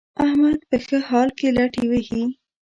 احمد په ښه حال کې لتې وهي.